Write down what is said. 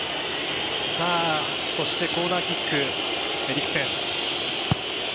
そしてコーナーキックエリクセン。